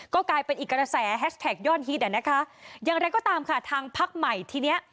ก็กลายเป็นอีกกระแสแฮชแท็กยอดฮิตอ่ะนะคะอย่างไรก็ตามค่ะทางพักใหม่ทีเนี้ย